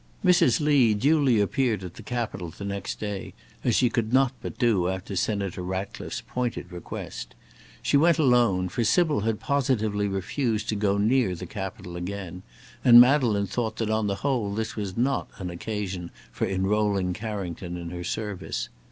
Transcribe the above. Mrs. Lee duly appeared at the Capitol the next day, as she could not but do after Senator Ratcliffe's pointed request. She went alone, for Sybil had positively refused to go near the Capitol again, and Madeleine thought that on the whole this was not an occasion for enrolling Carrington in her service.